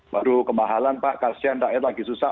waduh kemahalan pak kasihan daerah lagi susah